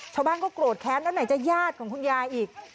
ชาวบ้านก็โกรธแค้นแล้วไหนจะญาติของคุณยายอีก